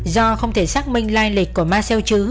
do không thể xác minh lai lịch của marcel chứ